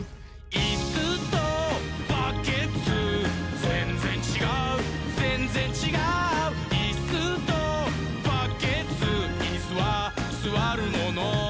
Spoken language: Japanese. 「いっすーとバッケツーぜんぜんちがうぜんぜんちがう」「いっすーとバッケツーイスはすわるもの」